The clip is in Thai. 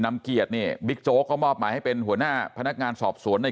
นำเกียรติเนี่ยบิ๊กโจ๊กก็มอบหมายให้เป็นหัวหน้าพนักงานสอบสวนใน